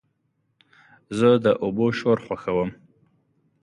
زه د اوبو شور خوښوم.